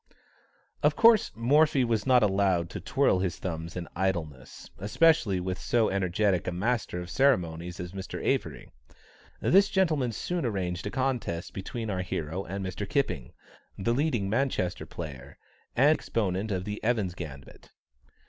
Of course Morphy was not allowed to twirl his thumbs in idleness, especially with so energetic a master of the ceremonies as Mr. Avery. This gentleman soon arranged a contest between our hero and Mr. Kipping, the leading Manchester player, and exponent of the Evans' Gambit.